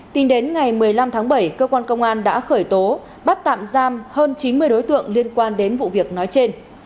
tính đến ngày một mươi năm tháng bảy cơ quan công an đã khởi tố bắt tạm giam hơn chín mươi đối tượng liên quan đến vụ việc nói trên